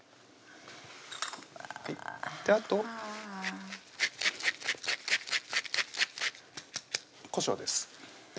あとこしょうです